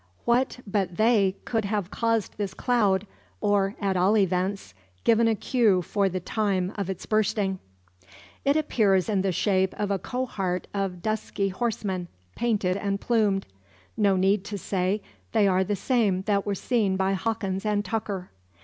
What but they could have caused this cloud; or, at all events, given a cue for the time of its bursting. It appears in the shape of a cohort of dusky horsemen, painted and plumed. No need to say, they are the same that were seen by Hawkins and Tucker.